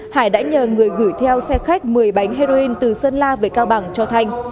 hải đã nhờ người gửi theo xe khách một mươi bánh heroin từ sơn la về cao bằng cho thanh